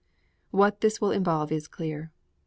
What this will involve is clear.